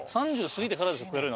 ３０過ぎてからですよ